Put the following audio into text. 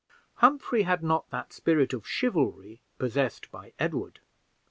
Humphrey had not that spirit of chivalry possessed by Edward.